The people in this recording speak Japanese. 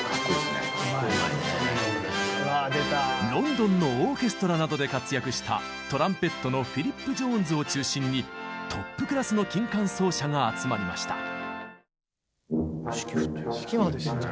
ロンドンのオーケストラなどで活躍したトランペットのフィリップ・ジョーンズを中心にトップクラスの金管奏者が集まりました。